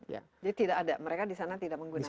jadi tidak ada mereka di sana tidak menggunakan ya